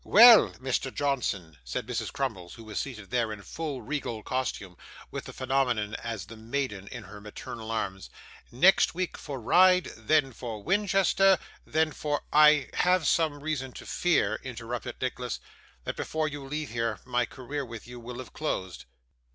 'Well, Mr. Johnson,' said Mrs. Crummles, who was seated there in full regal costume, with the phenomenon as the Maiden in her maternal arms, 'next week for Ryde, then for Winchester, then for ' 'I have some reason to fear,' interrupted Nicholas, 'that before you leave here my career with you will have closed.